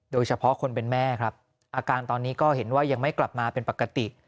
โดยเฉพาะคนเป็นแม่ครับอาการตอนนี้ก็เห็นว่ายังไม่กลับมาเป็นปกติ